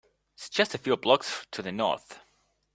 It’s just a few blocks to the North.